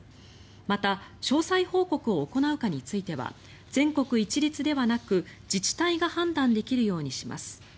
また詳細報告を行うかについては全国一律ではなく、自治体が判断できるようにします。